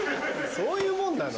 そういうもんなの？